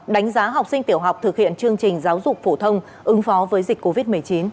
đánh giá học sinh tiểu học thực hiện chương trình giáo dục phổ thông ứng phó với dịch covid một mươi chín